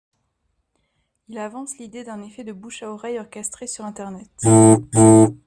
Il avance l'idée d'un effet de bouche à oreille orchestré sur Internet.